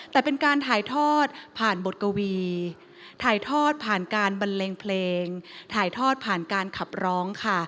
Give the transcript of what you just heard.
แต่เป็นการถ่ายทอดผ่านบทกวีถ่ายทอดผ่านการบันเลงเพลงถ่ายทอดผ่านการขับร้องค่ะ